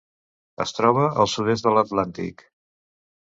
Es troba al sud-est de l'Atlàntic.